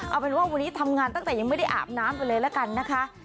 เอาเป็นว่าวันนี้ทำงานตั้งแต่ยังไม่ได้อาบน้ำไปเลยละกันนะคะ